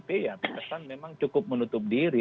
pilih pilih memang cukup menutup diri